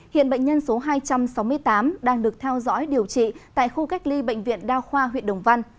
hiện bệnh nhân số hai trăm sáu mươi tám đang được theo dõi điều trị tại khu cách ly bệnh viện đa khoa huyện đồng văn